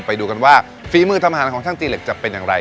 ไปดูกันว่าฝีมือทำอาหารของช่างตีเหล็กจะเป็นอย่างไร